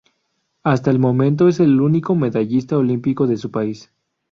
Hasta el momento es el único medallista olímpico de su país.